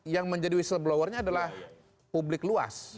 yang menjadi whistle blowernya adalah publik luas